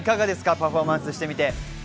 パフォーマンスしてみて。